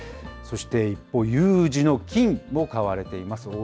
そして一方、有事の金も買われています。